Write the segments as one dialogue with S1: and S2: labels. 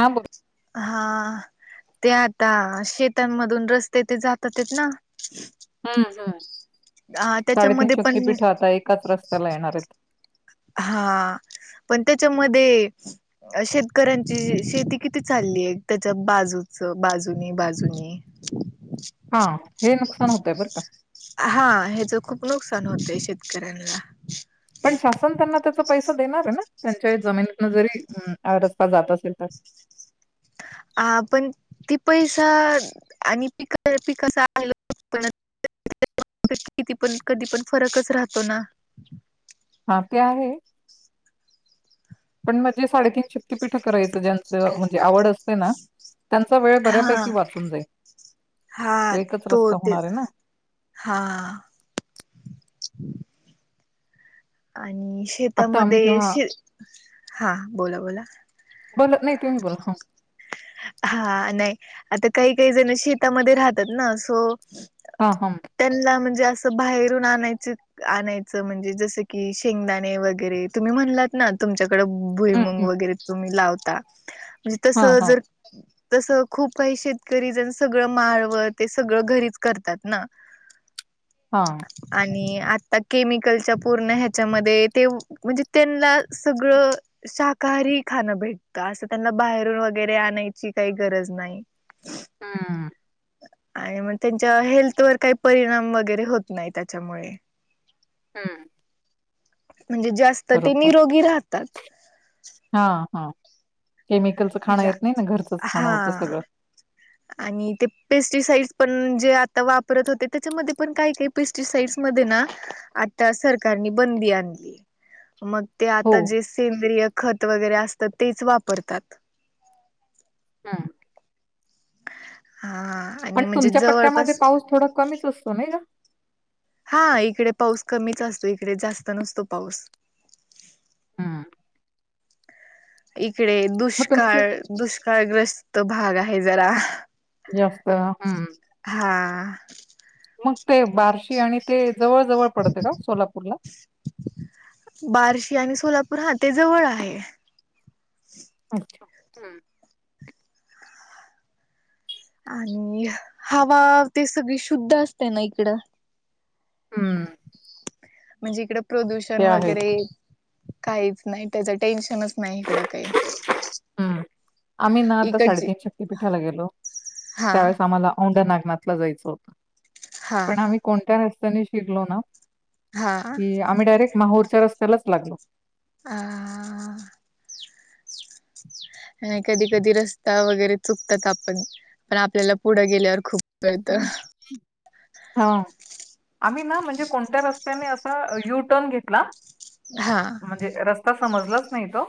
S1: हा बोल
S2: हा ते आता शेतांमधून रस्ते ते जातातेत ना
S1: हा हम्
S2: अ
S1: साडेतीन
S2: त्याच्यामध्ये पण
S1: शक्तीपीठ आता एकाच रस्त्याला येणार आहेत
S2: हा पण त्याच्यामध्ये शेतकऱ्यांची शेती किती चालली आहे त्याच्या बाजूचं बाजूनी बाजूनी
S1: हा हे नुकसान होतय बरं का.
S2: हा ह्याच खूप नुकसान होत शेत करला
S1: पण शासन त्यांना त्याचा पैसा आहे त्यांच्या जमिनीत जरी रसता जात असेल तर
S2: हा पण ती पैसा आणि पिक पी कसा आल पण किती पण कधी पण फरकच राहतो ना
S1: हा पर आहे पण म्हणजे साडेतीन शक्तीपीठ करायचं ज्यांचं म्हणजे आवड असते ना त्यांचा वेळ
S2: हा
S1: बऱ्यापैकी वाचून जाईल
S2: हा
S1: एकच
S2: तो
S1: रस्ता
S2: ते
S1: होणार आहे ना
S2: हा आणि
S1: आता आम्ही
S2: शेतामध्ये
S1: जेव्हा
S2: श हा बोला बोला
S1: बोला नाही तुम्ही बोला
S2: हा नाही आता काही काही जण शेतामध्ये राहतात ना सो
S1: हा हा
S2: त्यांना म्हणजे अस बाहेरून आणायच आणायच म्हणजे जस की शेंगदाणे वगैरे तुम्ही म्हणलात ना तुमच्या
S1: हम्म
S2: भुईमंग
S1: हम्म.
S2: वगैरे तुम्ही लावता म्हणजे
S1: हा
S2: तस
S1: हा
S2: जर तसं खूप काही शेतकरी जण सगळं माळव ते सगळं घरीच करतात ना
S1: हा.
S2: आणि आ केमिकलच्या पूर्ण ह्याच्यामध्ये ते म्हणजे त्यांना सगळं शाकाहारी ख भेटत अस त्यांना बाहेरून वगरे आणायची काही गरज नाही
S1: हा
S2: आणि मग त्यांच्या हेल्थ वर काही परिणाम वगैरे होत नाही त्याच्यामुळे
S1: हम्म
S2: म्हणजे जास्त ते
S1: बरोबर
S2: निरोगी राहतात
S1: हा हा केमिकलचं खाणं
S2: म्ह
S1: येत नाही ना घरचंच खाणं
S2: हा
S1: होतं सगळं
S2: आणि ते पेस्टिसाइड ण जे आता वापरत होते त्याच्यामध्ये पण का का पेस्टिसाईड म आता सरकार बंदी आणली मग ते
S1: हो.
S2: आता जे सेंद्रिय खत वगैरे असतात तेच वापरतात
S1: हम्म.
S2: हा
S1: आणि
S2: म्हणजे
S1: तुमच्या पट्ट्यामध्ये
S2: जवळपास
S1: पाऊस थोडा कमीच असतो नाही ग
S2: हा इकडे पाऊस कमीच असतो इकडे जास्त नसतो पाऊस
S1: हा
S2: इकडे दुष्काळ
S1: तुमचे
S2: दुष्काळग्रस्त भाग आहे जरा
S1: याफत हम्म
S2: ह
S1: मग ते बारशी आणि ते जवळ जवळ पडते का सोलापूरला
S2: बार्शी आणि सोलापूर हा ते जवळ आहे
S1: अच्छा हम्म
S2: आणि हवा ते सगळी शुद्ध असते ना इकडं
S1: हम्म
S2: म्हणजे इकड प्रदूषण
S1: ते आहे.
S2: वगैरे काहीच नाही त्याच टेन्शनच नाही इकडं काही
S1: हम्म. आम्ही ना आता
S2: इकडची
S1: साडेतीीन शक्तीपीठाला गेलो
S2: हा
S1: त्यावेळेस आम्हाला औंड ना जायच होत
S2: हा
S1: पण आम्ही कोणत्या रस्त्याने शिरलो ना
S2: हा
S1: कि आम्ही डायरेक्ट माहोरच्या रस्त्यालाच लागलो
S2: आह ह आणि कधी कधी रस्ता वगैरे चुकतात आपण पण आपल्याला पुढं गेल्यावर खूप कळत
S1: हा आम्ही ना म्हणजे कोणत्या रस्त्याने अस यू टर्न घेतला
S2: हा
S1: म्हणजे रस्ता समजलाच नाही तो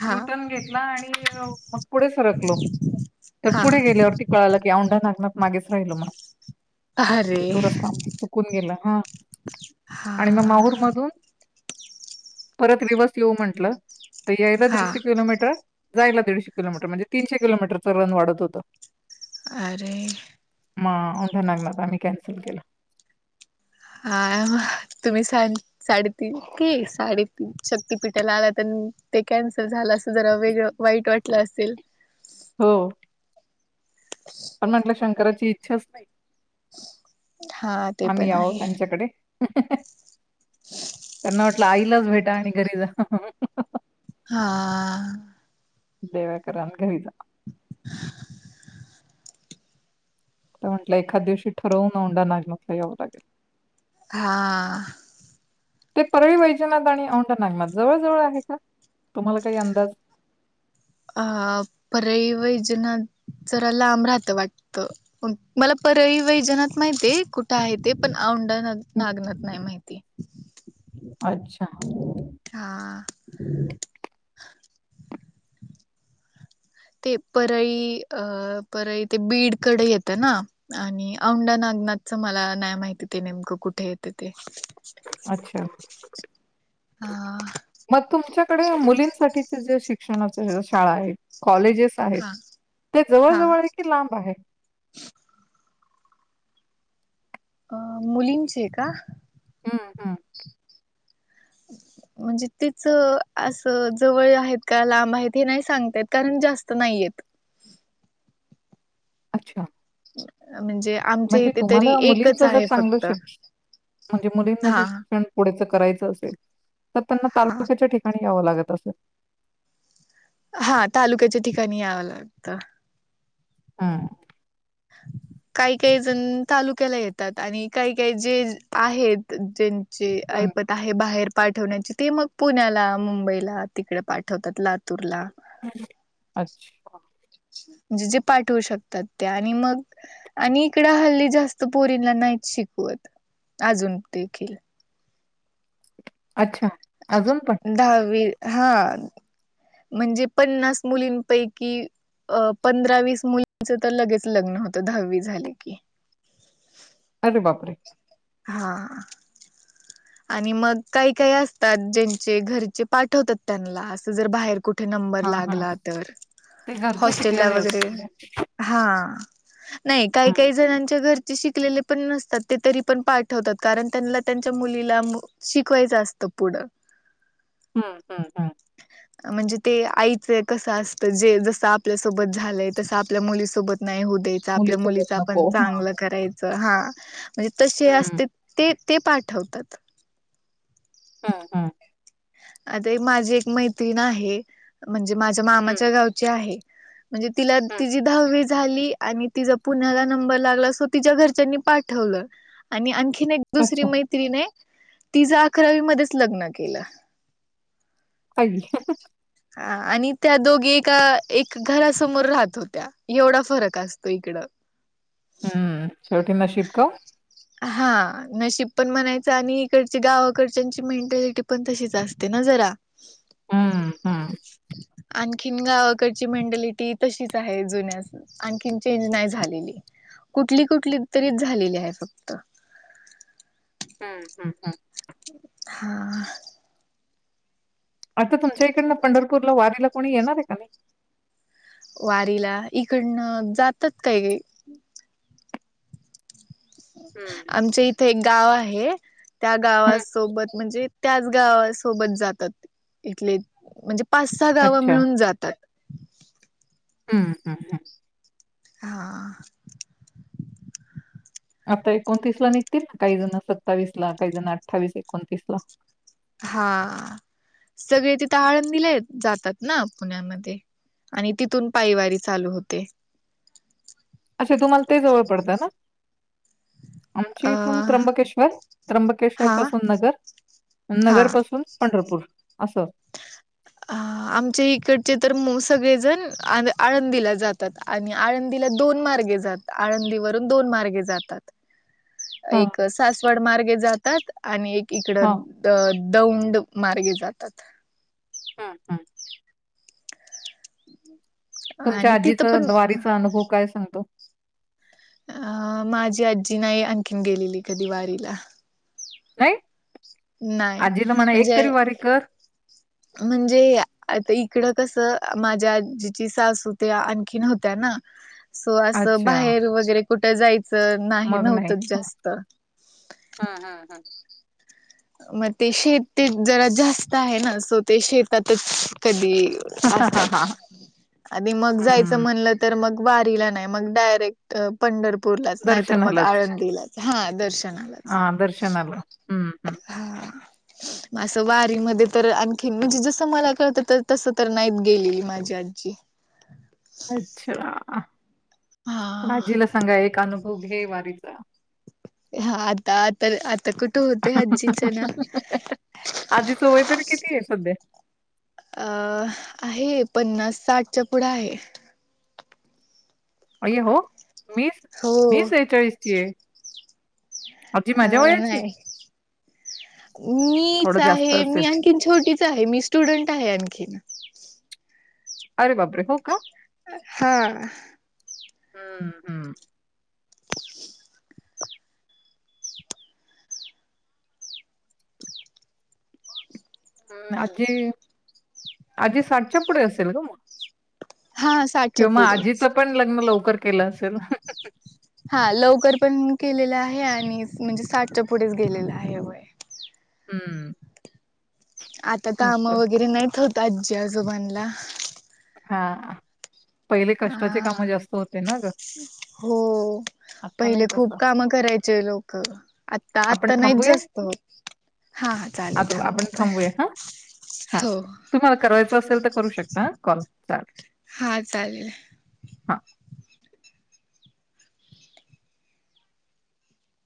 S2: हा
S1: युटर्न घेतला आणि मग पुढे सरकलो तर
S2: हा
S1: पुढे गेलीवरती कळाला की औंढा नागना मागेच राहिलो म
S2: अरे
S1: तो रस्ता चुकून गेला हा
S2: हा
S1: आणि मग माहूर मधून परत रिवस येऊ म्हंटलं तर यायला
S2: हा
S1: दीडशे किलोमीटर जायलाीशे किलोमीटर म्हणजे तीनशे किलोमीटरचं रन वाढत होतं
S2: अे
S1: म ढ्या नागणार आम्ही कॅन्सल केला
S2: हा म तुम्ही स साडेतीन साडेतीन शक्तीपीठाला आला तर कनल झा अस ज व वाई वाट असे
S1: हो पण म्हटलं शंकराची इच्छाच नाही
S2: हा ते
S1: आम्ही
S2: पण
S1: आहो
S2: आहे.
S1: त्यांच्याकडे त्यांना वाटलं आईलाच भेटा आणि घरी जा
S2: हा
S1: देवाकरन घरीचा तर म्हटलं एखादं दिवशी ठरवून औंढा नागनाथ ला यावं लागेल
S2: हा
S1: ते परळी वैजनाथ आणि औंढा नागनाथ जवळ जवळ आहे का? तुम्हाला काय अंदाज
S2: अ परळी वैजनाथ जरा लांब राहातं वाटतं मला परळी वैजनाथ माहिती कुठ आहे ते पण औंढा नागनाथ नाही माहिती
S1: अच्छा
S2: हा ते परळी अ परळी ते बीडकडे येतं ना आणि औंडा नाग नाथच मला नाही माहिती ते नेमकं कुठे येते ते
S1: अच्छा
S2: हा
S1: मग... तुमच्याकडे मुलींसाठी ज्या शिक्षणाच्या ज्या शाळा आहेत कॉलेजेस आहेत
S2: हा
S1: ते जवळ
S2: हा
S1: जवळ हे की लांब आहे
S2: अ मुलींचे का?
S1: हुं हुं
S2: [unintelligible] म्हणजे तिच असं जवळ आहेत का लांब आहेत हे नाही सांगता येत कारण जास्त नाहीये एक
S1: अच्छा
S2: म्हणजे आमच्या
S1: म्हणजे
S2: इथे तरी
S1: तुम्हाला मुलींच
S2: एकच
S1: जर
S2: आहे
S1: चांगलं
S2: फक्त
S1: शिक्षण म्हणजे मुलींना ज
S2: हा
S1: शिक्षण पुढेच करायचं तर त्यांना
S2: हा
S1: तालुक्याच्या ठिकाणी यावं लागत असलं
S2: हा तालुक्याच्या ठिकाणी यावं लागतं
S1: हा
S2: काही काही जण तालुक्याला येतात आणि काही काही जे आहेत ज ज्यांची
S1: हं.
S2: ऐपत आहे बाहेर पाठवण्याची ते मग पुण्याला मुंबईला तिकडे पाठवतात लातूरला
S1: आच्छा
S2: जे जे पाठवू शकतात ते आणि मग आणि इकडं हल्ली जास्त पोरीनला ना नाही शिकवत अजून देखील
S1: अच्छा. अजून पण?
S2: दहावी हा म्हणजे पन्नास मुलींपैकी अ पंधरा वीस मुलींचं तर लगेच लग्न होतं दहावी झाली की,
S1: अरे बापरे!
S2: हा आणि मग काही काही असतात ज्यांचे घरचे पाठवतात त्यांना अस जर बाहेर कुठ कुठे नंबर
S1: हां, हां.
S2: लागला तर
S1: ते घरचे
S2: हॉस्टेला
S1: शिकलेले
S2: वगैरे
S1: असतील ते.
S2: हा नाही काही
S1: हं,
S2: काही
S1: हं.
S2: जणांच्या घरचे शिकलेले पण नसतात ते तरी पण पाठवतात कारण त्यांनला त्यांच्या मुलीला मग शिकवायच असत पुढं
S1: हुं हुं हुं
S2: म्हणजे ते आईचं कस असत जे जसं आपल्यासोबत झालंय तसं आपल्या मुलीसोबत नाही होऊ द्यायचं आपल्या
S1: मुलीसोबत
S2: मुलीच आपण
S1: नको. हां.
S2: चांगलं करायच हा म्हणजे तशी
S1: हं,
S2: असत्यात ते ते पाठवतात.
S1: हा हा
S2: आता एक माझी एक मैत्रीण आहे., म्हणजे माझ्या
S1: हं,
S2: मामाच्या गावची आहे. म्हणजे तिला
S1: हं.
S2: तिजी दहावी झाली आणि तिजा पुण्याला नंबर लागला सो तिच्या घरच्यांनी पाठवलं आणि आणखी कीन एक दुसरी
S1: अच्छा.
S2: मैत्रीण ये तिंज् अकरावी मध्येच लग्न केलं
S1: आई..
S2: हा आणि त्या दोघी एका एक घरासमोर राहत होत्या एवढा फरक असतो इकडं ह
S1: हम्म शेवटी नशीब का
S2: हा नशीब पण म्हणायचं आणि इकडची गावाकडच्यांची मेंट्यालिटी पण तशीच असते ना जरा
S1: हा हा
S2: आणखीन गावाकडची मेंटलिटी तशीच आहे जुन्या आणखीन चेंज नाही झालेली. कुठली कुठली तरीच झालेली आहे फक्त
S1: हम्म हम्म हम्
S2: हा
S1: आता तुमच्या इकडनं पंढरपूरला वारीला कोणी येणार आहे का नाही.
S2: वारीला इकडनं जातात काही
S1: हं,
S2: आमच्या इथे एक गाव आहे त्या
S1: हं.
S2: गावासोबत म्हणजे त्याच गावासोबत जातात इथले म्हणजे पाच सहा गावं
S1: अच्छा.
S2: मिळून जातात.
S1: हम्म हम् हम्
S2: हा
S1: आता एकोणतीस ला निघतील काही जण सत्तावीस ला काही जण अठ्ठावीस एकोणतीस ला
S2: हा सगळे तिथ आळंदीला येत-जातात ना पुण्यामध्ये आणि तिथून पायवारी चालू होते.
S1: अच्छा तुम्हाला ते जवळ पडतं ना
S2: अ
S1: आमची इथून त्र्यंबकेश्वर त्र्यंबकेश्वर
S2: हा
S1: पासून नगर नगर पासून पंढरपूर असं
S2: [inaudible] अ आमचे इकडचे तर मोस-सगळेजण आळं-आळंदीला जातात आणि आळंदीला दोन मार्गे जात आळंदीवरून दोन मार्गे जातात.
S1: हां,
S2: एक सासवड मार्गे जातात आणि एक
S1: हां.
S2: इकडं द दौंड मार्गे जातात.
S1: हं, हं. तुमच्या
S2: आणि तिथं
S1: आजीचा
S2: पण
S1: द्वारीचा अनुभव काय सांगतो
S2: अ.. माझी आजी नाही आणखीन गेलेली कधी वारीला
S1: नाही
S2: नाही
S1: आजीला म्हणा एक तरी
S2: म्हणजे
S1: वारी कर
S2: म्हणजे आता इकडं कसं माझ्या जिची सासूत्या आणखीन होत्या ना [inaudible] सो अस
S1: अच्छा,
S2: बाहेर वगैरे कुठ जायचं च नाही
S1: मग
S2: नव्हत
S1: हं.
S2: जास्त
S1: हं, हं, हं.
S2: मग ते शेत ते जरा जास्त आहे ना सो ते शेतातच कधी असं
S1: हं,
S2: आणि मग जायचं म्हणलं तर मग वारीला नाही मग डायरेक्ट पंढरप पूरलाच नाही तर मग
S1: दर्शनालाच.
S2: आळंदीलाच हा.. दर्शनालाच
S1: हां, दर्शनाला. हं, हं.
S2: हा म अस वारी मध्ये तर आणखी म्हणजे जसं मला कळत तसं तर नाहीत गेलेली माझी आजी जी
S1: अच्छा
S2: हा
S1: आजीला सांगा एक अनुभ होघे वारीचा
S2: हा आता तर आता कुठ त होते आज्जींचण
S1: आजीचं वय तरी किती आहे सध्या?
S2: अं आहे पन्नास साठच्या पुढ आहे
S1: अय्या हो
S2: हो
S1: मी-मी सेहेचाळीसचिये
S2: अ न मीच
S1: थोडं जास्त
S2: आहे
S1: असेल.
S2: मी आणखीन छोटीच आहे मी स्टुडंट आहे आणखीन
S1: अरे बाबरे हो का
S2: हा
S1: हम्म हम्म हम् आजी आजी साठच्या पुढे असेल ग मग
S2: हा साठच्या
S1: किंवा आजीच
S2: पुढेच
S1: पण लग्न लवकर केलं असेल
S2: हा लवकर पण केलेलं आहे आणि म्हणजे साठच्या पुढेच गेलेलं आहे वय
S1: हम्म
S2: आता ताम वगैरे नाहीत होत आजी असजं म्हणला
S1: हां, पहिले
S2: हा
S1: कष्टाची कामं जास्त होते ना गं,
S2: हो
S1: आता नाही
S2: पहिले खूप
S1: तसं.
S2: कामं करायचे लोक आता
S1: आपण
S2: आत्ता नाहीच
S1: थांबूया
S2: जास्त हा चालेल
S1: आता आपण
S2: थांबव पण
S1: थांबूया हा हा तुम्हाला कवायचं असेल तर करू शकता कॉल चालेल
S2: हा चालेल
S1: हा